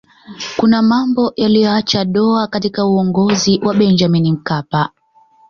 kuna mambo yaliyoacha doa katika uongozi wa benjamini mkapa